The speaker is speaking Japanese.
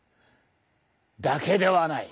だけではない。